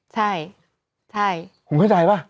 ใช่ใช่